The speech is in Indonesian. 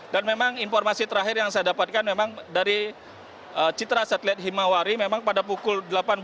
dan memang informasi terakhir yang saya dapatkan memang dari citra satellite himawari memang pada pukul delapan belas dua puluh